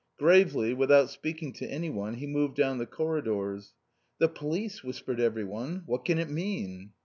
Gravely, without speaking to anyone he moved down the corridors. 'The Police,' whispered everyone. 'What can it mean?'